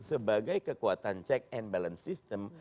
sebagai kekuatan check and balance system